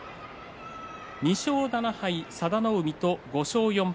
２勝７敗佐田の海と５勝４敗